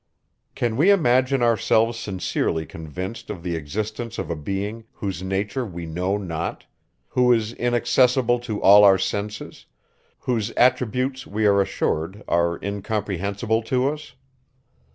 Can we imagine ourselves sincerely convinced of the existence of a being, whose nature we know not; who is inaccessible to all our senses; whose attributes, we are assured, are incomprehensible to us?